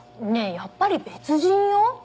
やっぱり別人よ。